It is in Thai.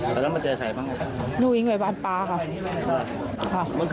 เมื่อคืนเรานอนไหน